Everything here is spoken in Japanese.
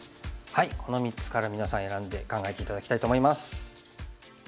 この３つから皆さん選んで考えて頂きたいと思います。